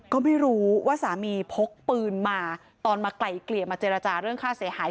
ก็ไม่รู้ว่าสามีพกปืนมาตอนมาไกลเกลี่ยมาเจรจาเรื่องค่าเสียหาย